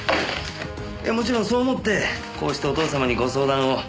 いやもちろんそう思ってこうしてお父様にご相談を。